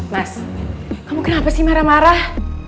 mas kamu kenapa sih marah marah